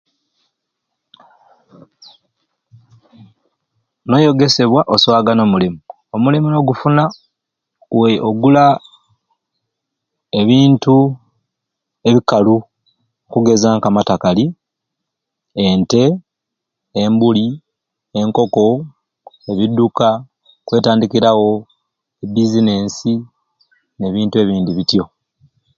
Noyegesebwa oswagana omulimu omulimu nokufuna we ogula ebintu ebikalu okugeza nka amatakali ente embuli enkoko ebiduka okwetandikirawo e business ne bintu ebindi bityo